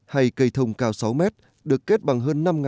hay cây thông cao sáu m được kết bằng hơn năm m hai